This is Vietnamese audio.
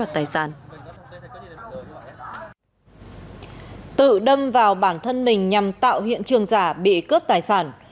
tự đâm vào bản thân mình nhằm tạo hiện trường giả bị cướp tài sản